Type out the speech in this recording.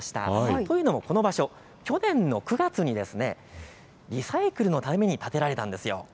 というのもこの場所、去年の９月にリサイクルのために建てられたんです。